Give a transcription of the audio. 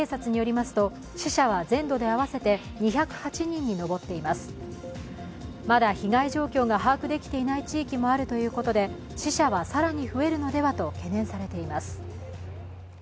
まだ被害状況が把握できていない地域もあるということで死者はさらに増えるのではと懸念されています。